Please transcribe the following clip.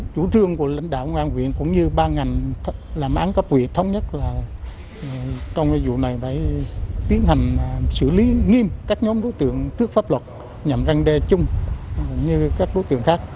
chủ trương của lãnh đạo ngoan huyện cũng như ba ngành làm án cấp quyền thống nhất là trong cái vụ này phải tiến hành xử lý nghiêm các nhóm đối tượng trước pháp luật nhằm răng đe chung như các đối tượng khác